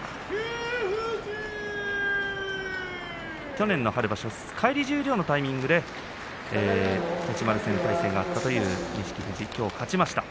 去年の春場所返り十両のタイミングで栃丸との対戦があった錦富士ですがきょうは勝ちました。